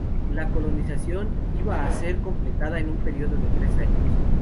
La colonización iba a ser completada en un periodo de tres años.